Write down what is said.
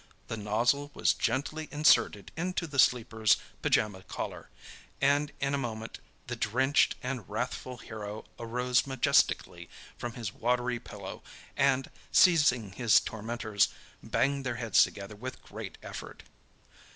The nozzle was gently inserted into the sleeper's pyjama collar, and in a moment the drenched and wrathful hero arose majestically from his watery pillow and, seizing his tormentors, banged their heads together with great effort.